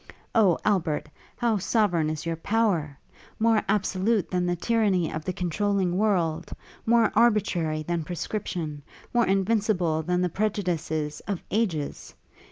O Albert! how sovereign is your power! more absolute than the tyranny of the controlling world; more arbitrary than prescription; more invincible than the prejudices of ages!